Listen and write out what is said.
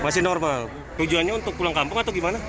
masih normal tujuannya untuk pulang kampung atau gimana